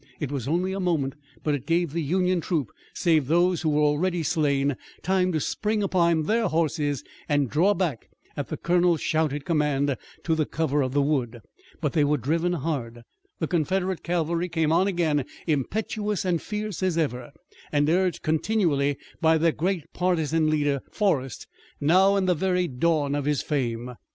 It was only a moment, but it gave the Union troop, save those who were already slain, time to spring upon their horses and draw back, at the colonel's shouted command, to the cover of the wood. But they were driven hard. The Confederate cavalry came on again, impetuous and fierce as ever, and urged continually by the great partisan leader, Forrest, now in the very dawn of his fame.